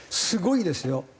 すごいですよ。